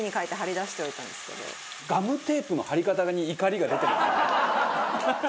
ガムテープの貼り方に怒りが出てますよね。